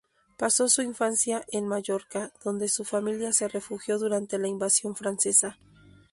Pasó su infancia en Mallorca donde su familia se refugió durante la invasión francesa.